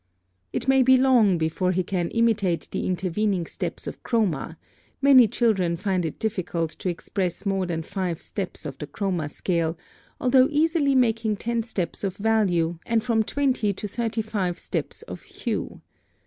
(43) It may be long before he can imitate the intervening steps of chroma, many children finding it difficult to express more than five steps of the chroma scale, although easily making ten steps of value and from twenty to thirty five steps of hue.